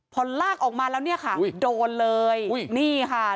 พอลากออกมาแล้วเนี่ยค่ะโดนเลยนี่ค่ะ